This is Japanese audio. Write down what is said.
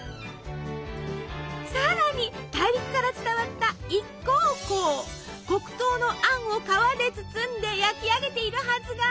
さらに大陸から伝わった黒糖のあんを皮で包んで焼き上げているはずが。